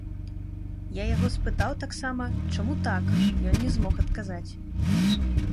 Я яго спытаў таксама, чаму так, ён не змог адказаць.